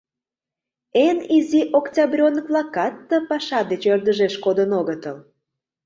Эн изи октябрёнок-влакат ты паша деч ӧрдыжеш кодын огытыл.